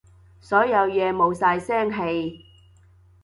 所有嘢冇晒聲氣